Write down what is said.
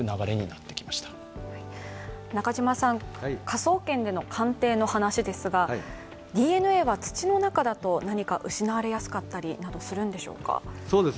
科捜研での鑑定の話ですがＤＮＡは土の中だと何か失われやすかったりなどするんでしょうか？